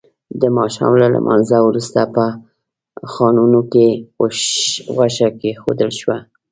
د ماښام له لمانځه وروسته په خانکونو کې غوښه کېښودل شوه.